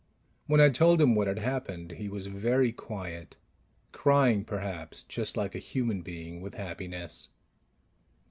When I told him what had happened, he was very quiet; crying, perhaps, just like a human being, with happiness.